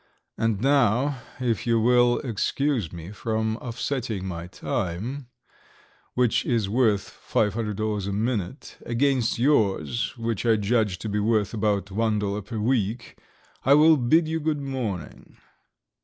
"And now, if you will excuse me from offsetting my time, which is worth $500 a minute, against yours, which I judge to be worth about $1 per week, I will bid you good morning."